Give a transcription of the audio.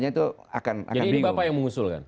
jadi ini bapak yang mengusulkan